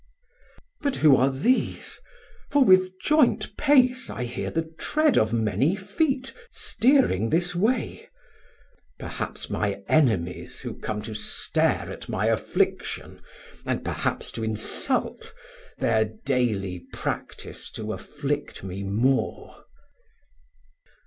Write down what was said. But who are these? for with joint pace I hear 110 The tread of many feet stearing this way; Perhaps my enemies who come to stare At my affliction, and perhaps to insult, Thir daily practice to afflict me more.